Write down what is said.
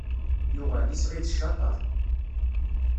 Yuɣal, isɣi d ccateṛ.